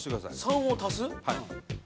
３を足す？